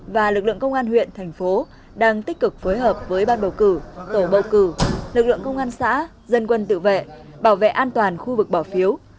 và lực lượng công an huyện thành phố đang tích cực phối hợp với ban bầu cử tổ bầu cử lực lượng công an xã dân quân tự vệ bảo vệ an toàn khu vực bỏ phiếu